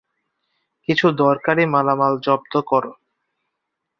কিছু দরকারি মালামাল জব্দ কর।